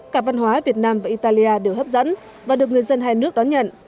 cả văn hóa việt nam và italia đều hấp dẫn và được người dân hai nước đón nhận